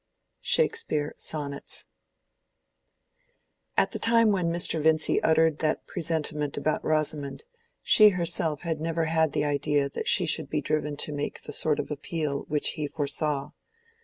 —SHAKESPEARE: Sonnets. At the time when Mr. Vincy uttered that presentiment about Rosamond, she herself had never had the idea that she should be driven to make the sort of appeal which he foresaw.